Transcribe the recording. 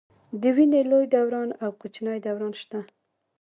د وینې لوی دوران او کوچني دوران شته.